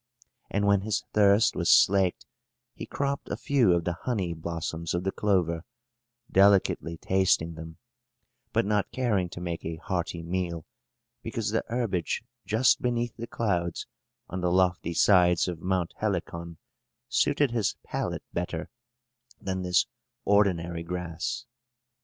And when his thirst was slaked, he cropped a few of the honey blossoms of the clover, delicately tasting them, but not caring to make a hearty meal, because the herbage just beneath the clouds, on the lofty sides of Mount Helicon, suited his palate better than this ordinary grass.